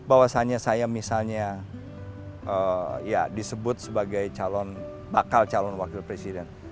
jadi bahwasannya saya misalnya disebut sebagai calon bakal calon wakil presiden